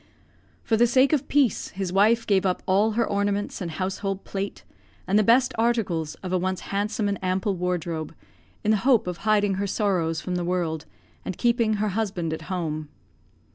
For the sake of peace, his wife gave up all her ornaments and household plate, and the best articles of a once handsome and ample wardrobe, in the hope of hiding her sorrows from the world, and keeping her husband at home.